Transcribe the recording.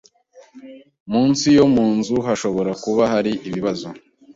Munsi yo munzu hashobora kuba hari ibibazo.